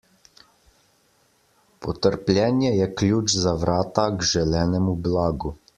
Potrpljenje je ključ za vrata k želenemu blagu.